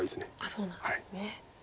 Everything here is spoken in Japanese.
そうなんですね。